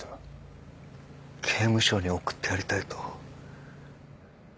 刑務所に送ってやりたいと。